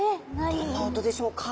どんな音でしょうか？